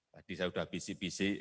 tadi saya sudah bisik bisik